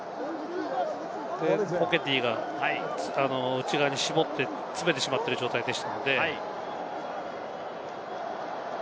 フォケティが内側に絞って詰めてしまっている状態でしたので。